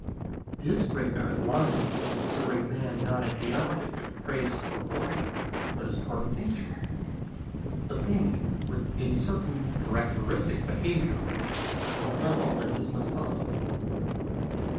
His great merit lies in considering man not as the object of praise or blame, but as a part of nature, a thing with a certain characteristic behaviour from which certain consequences must follow.